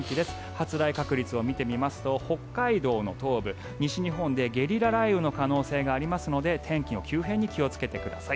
発雷確率を見てみますと北海道の東部、西日本でゲリラ雷雨の可能性がありますので天気の急変に気をつけてください。